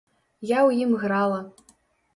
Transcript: Я ў ім грала.